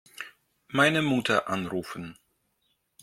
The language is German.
Meine Mutter anrufen.